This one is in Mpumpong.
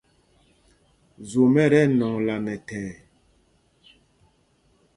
Zwom ɛ tí ɛnɔŋla nɛ thɛɛ.